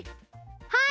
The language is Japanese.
はい！